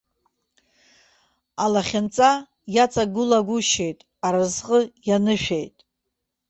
Алахьынҵа иаҵагылагәышьеит, аразҟы ианышәеит.